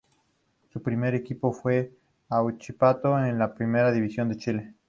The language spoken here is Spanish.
Su primer equipo fue Huachipato de la Primera División de Chile.